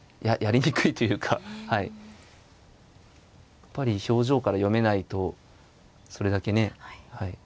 やっぱり表情から読めないとそれだけねはい。